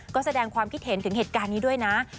ก็แสดงความคิดเห็นถึงเหตุการณ์นี้ด้วยนะ